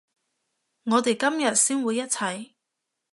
我哋今日先會一齊